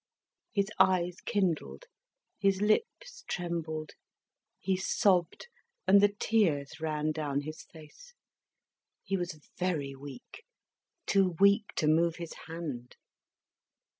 His eyes kindled, his lips trembled, he sobbed, and the tears ran down his face. He was very weak, too weak to move his hand.